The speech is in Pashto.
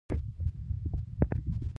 د کونړ په ناړۍ کې د قیمتي ډبرو نښې دي.